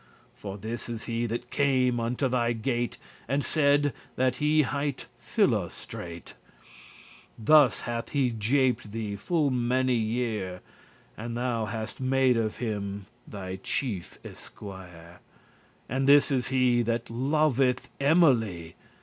For this is he that came unto thy gate And saide, that he highte Philostrate. Thus hath he japed* thee full many year, *deceived And thou hast made of him thy chief esquier; And this is he, that loveth Emily.